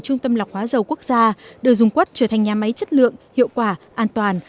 trung tâm lọc hóa dầu quốc gia đưa dung quất trở thành nhà máy chất lượng hiệu quả an toàn